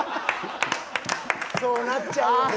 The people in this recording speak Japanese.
そうなっちゃうよね。